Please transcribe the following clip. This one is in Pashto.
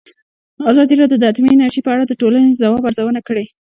ازادي راډیو د اټومي انرژي په اړه د ټولنې د ځواب ارزونه کړې.